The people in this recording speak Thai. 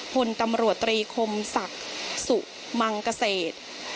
พลตำรวจตรีคมศักดิ์สุมังเกษตร